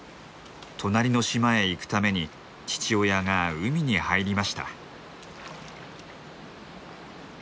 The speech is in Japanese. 隣の島へ行くために父親が海に入りました。